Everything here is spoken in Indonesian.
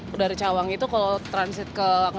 jadi kalau dari cawang itu kalau transit ke ngarang